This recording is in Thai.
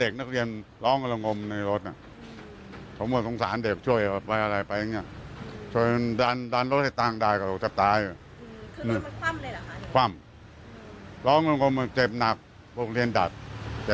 ให้หมดชั้นพอหน้าไปหมดแล้วอ้าวจะดมไม่มีอะไร